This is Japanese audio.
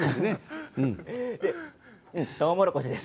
とうもろこしで。